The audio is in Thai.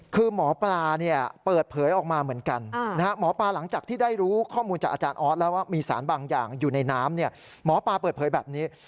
คือหมอปลาเปิดเผยออกมาเหมือนกันหมอปลาหลังจากที่ได้รู้ข้อมูลจากอาจารย์ออสแล้วว่ามีสารบางอย่างอยู่ในน้ำหมอปลาเปิดเผยแบบนี้